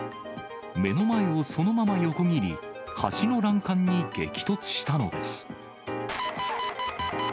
目の前をそのまま横切り、橋の欄干に激突したのです。